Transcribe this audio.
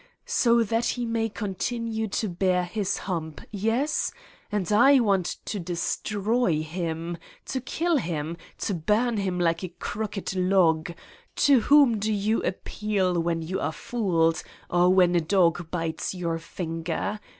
>So that he may continue to bear his hump, yes? 222 Satan's Diary And I want to destroy him, to kill him, to burn him like a crooked log. To whom do you appeal when you are fooled or when a dog bites your finger